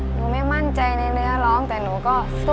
ไม่มั่นใจในเนื้อร้องแต่หนูก็สู้